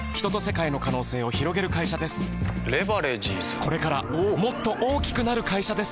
これからもっと大きくなる会社です。